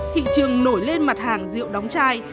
thị trường nổi lên mặt hàng rượu đóng chai